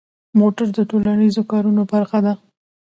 موټر د ټولنیزو کارونو برخه ده.